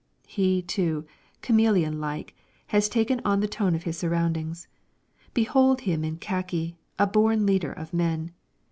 He, too, chameleon like, has taken on the tone of his surroundings. Behold him in khaki, a born leader of men!